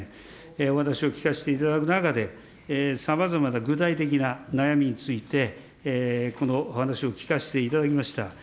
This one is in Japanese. お話を聞かせていただく中で、さまざまな具体的な悩みについて、お話を聞かせていただきました。